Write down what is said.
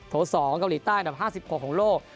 ๒เกาหลีใต้อันดับ๕๖ของโลก